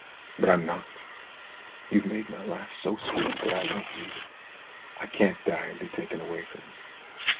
But I'm not ! You've made my life so sweet that I won't leave it. I can't die and be taken away from you.